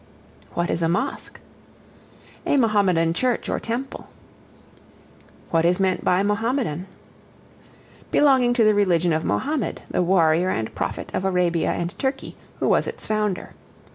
What is a Mosque? A Mahomedan church or temple. What is meant by Mahomedan? Belonging to the religion of Mahomed, the warrior and prophet of Arabia and Turkey, who was its founder.